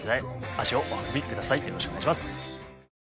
よろしくお願いします。